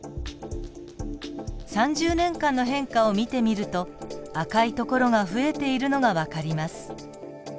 ３０年間の変化を見てみると赤い所が増えているのがわかります。